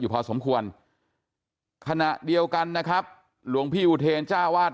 พอสมควรขณะเดียวกันนะครับหลวงพี่อุเทรนจ้าวาด